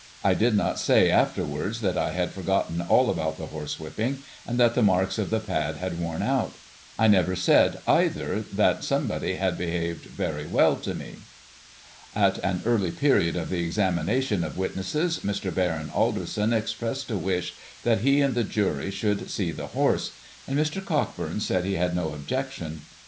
I did not say, afterwards, that I had forgotten all about the horsewhipping, and that the marks of the pad had worn out. I never said, either, that somebody had behaved very well to me." At an early period of the examination of witnesses, Mr. Baron Alderson expressed a wish that he and the jury should see the horse ; and Mr. Cockburn said he had no objection.